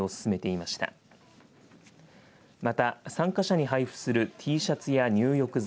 また参加者に配布するＴシャツや入浴剤